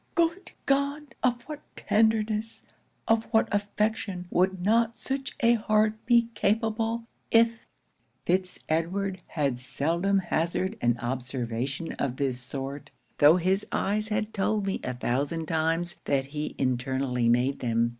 Good God! of what tenderness, of what affection would not such a heart be capable, if" 'Fitz Edward had seldom hazarded an observation of this sort, tho' his eyes had told me a thousand times that he internally made them.